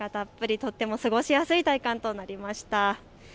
とても過ごしやすい体感となりました。